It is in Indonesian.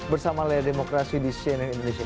bersama layar demokrasi di cnn indonesia